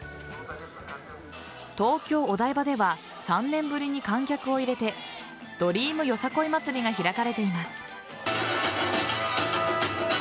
東京・お台場では３年ぶりに観客を入れてドリーム夜さ来い祭りが開かれています。